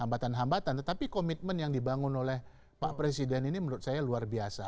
hambatan hambatan tetapi komitmen yang dibangun oleh pak presiden ini menurut saya luar biasa